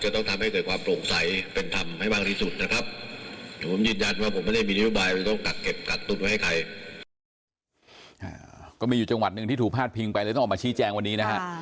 ต้องออกมาชี้แจงวันนี้นะฮะ